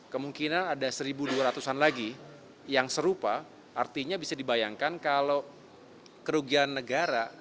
kemungkinan ada satu dua ratus an lagi yang serupa artinya bisa dibayangkan kalau kerugian negara